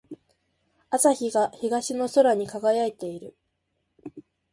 朝日が東の空に輝いている。